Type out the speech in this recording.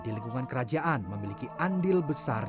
di lingkungan kerajaan memiliki andil besar